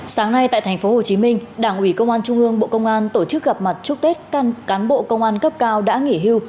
sáng nay tại tp hcm đảng ủy công an trung ương bộ công an tổ chức gặp mặt chúc tết cán bộ công an cấp cao đã nghỉ hưu